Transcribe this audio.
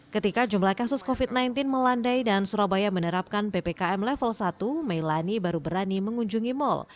ketika jumlah kasus covid sembilan belas melandai dan surabaya menerapkan ppkm level satu melani baru berani mengunjungi mal